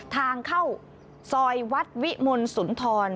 ทางเข้าซอยวัดวิมลสุนทร